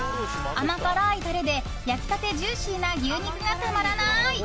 甘辛いタレで焼きたてジューシーな牛肉がたまらない！